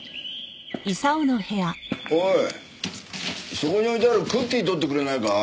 そこに置いてあるクッキー取ってくれないか？